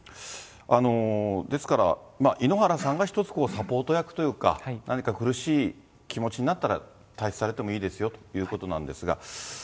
ですから、井ノ原さんが一つ、サポート役というか、何か苦しい気持ちになったら退室されてもいいですよということなんですが。